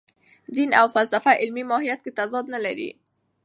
دین او فلسفه علمي ماهیت کې تضاد نه لري.